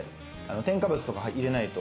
添加物とか入れないと。